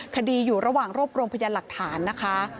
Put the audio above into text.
คดีอยู่ระหว่างรวบรวมพยานหลักฐานนะคะ